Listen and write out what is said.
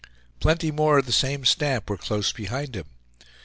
Plenty more of the same stamp were close behind him.